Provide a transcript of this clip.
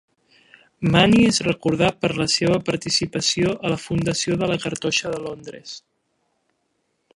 Manny és recordat per la seva participació a la fundació de la Cartoixa de Londres.